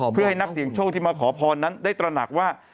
เพื่อให้นักเสียงโชคที่มาขอพรนั้นได้ตระหนักว่า